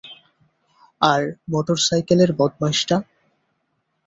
আর মোটরসাইকেলের বদমাইশটা।